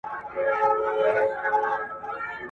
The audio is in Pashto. ځينو اقتصاد پوهانو ټولنيز عدالت په خپلو تعريفونو کي هېر کړی دی.